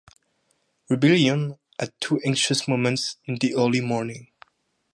Rebellion had two anxious moments in the early morning.